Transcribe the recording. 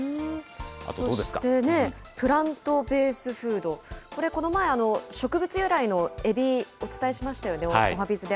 そしてね、プラントベースフード、これ、この前、植物由来のエビ、お伝えしましたよね、おはＢｉｚで。